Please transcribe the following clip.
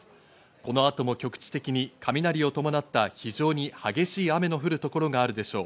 この後も局地的に雷を伴った非常に激しい雨の降る所があるでしょう。